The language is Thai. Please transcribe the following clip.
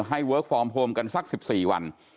เวิร์คฟอร์มโฮมกันสัก๑๔วัน